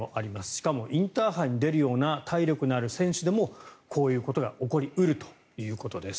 しかもインターハイに出るような体力のある選手でもこういうことが起こり得るということです。